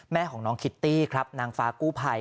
แม่ของน้องคิตตี้ครับนางฟ้ากู้ภัย